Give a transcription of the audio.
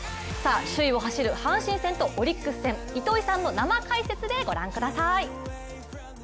首位を走る阪神戦とオリックス戦糸井さんの生解説でご覧ください。